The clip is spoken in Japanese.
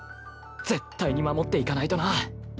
絶対に守っていかないとな。